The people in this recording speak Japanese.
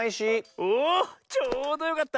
おちょうどよかった。